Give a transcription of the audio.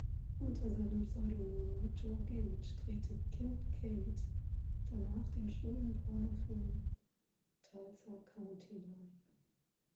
Unter seinem Pseudonym "Joe Gage" drehte Kincaid danach den schwulen Pornofilm "Tulsa County Line".